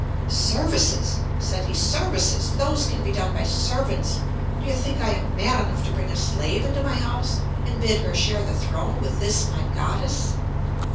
"Services!" said he, "services! Those can be done by servants. Do you think I am mad enough to bring a slave into my house, and bid her share the throne with this my Goddess?"